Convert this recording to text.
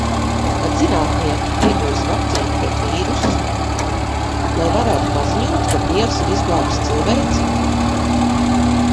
Kad zinātnieki iegūs vakcīnu pret vīrusu. Lai varētu paziņot, ka Dievs ir izglābis cilvēci.